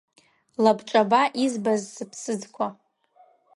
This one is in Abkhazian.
Лабҿаба избаз сыԥсыӡқәа!